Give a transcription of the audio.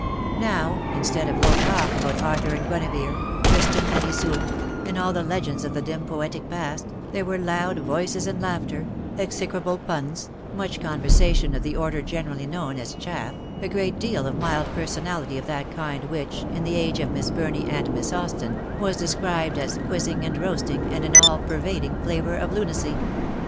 Now, instead of low talk about Arthur and Guinevere, Tristan and Iseult, and all the legends of the dim poetic past, there were loud voices and laughter, execrable puns, much conversa tion of the order generally known as chaff, a great deal of mild personality of that kind which, in the age of Miss Burney and Miss Austin, was described as quizzing and roasting, and an all pervading flavour of lunacy.